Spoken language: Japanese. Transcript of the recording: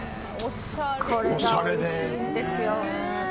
これがおいしいんですよ。